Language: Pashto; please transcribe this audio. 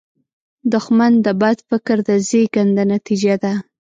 دښمن د بد فکر د زیږنده نتیجه ده